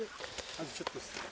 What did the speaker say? あとちょっとっすね。